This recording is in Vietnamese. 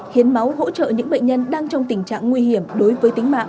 hiến máu hỗ trợ những bệnh nhân đang trong tình trạng nguy hiểm đối với tính mạng